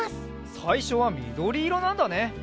さいしょはみどりいろなんだね。